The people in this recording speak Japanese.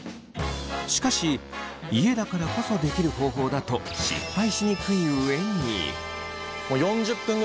しかし家だからこそできる方法だと失敗しにくい上に。